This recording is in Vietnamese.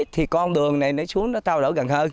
thì con đường này nãy xuống nó trao đổi gần hơn